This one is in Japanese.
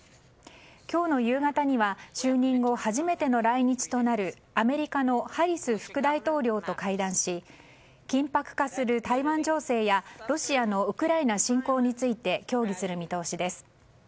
今日の夕方には就任後初めての来日となるアメリカのハリス副大統領と会談し緊迫化する台湾情勢やロシアのウクライナ侵攻について協議する見通しです。